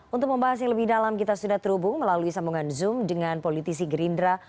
untuk membahas yang lebih dalam kita sudah terhubung melalui sambungan zoom dengan politisi gerindra